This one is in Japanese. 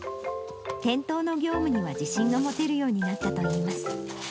店頭の業務には自信が持てるようになったといいます。